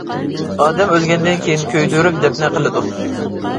ئادەم ئۆلگەندىن كېيىن كۆيدۈرۈپ دەپنە قىلىدۇ.